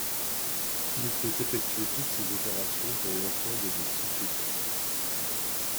Il faut effectuer toutes ces opérations pour l'ensemble des sous-critères.